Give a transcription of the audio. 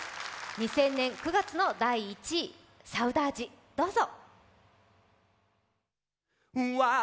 ２０００年９月の第１位、「サウダージ」、どうぞ！